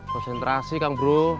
konsentrasi kang bro